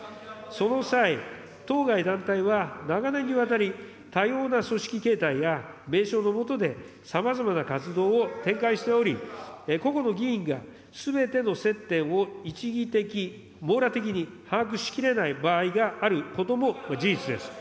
その際、当該団体は長年にわたり、多様な組織形態や、名称の下でさまざまな活動を展開しており、個々の議員が、すべての接点を一義的、網羅的に把握しきれない場合があることも事実です。